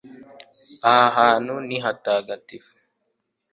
aha hantu ni hatagatifu